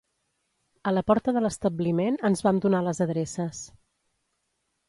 A la porta de l’establiment ens vam donar les adreces.